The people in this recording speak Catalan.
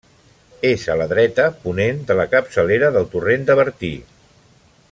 És a la dreta -ponent- de la capçalera del torrent de Bertí.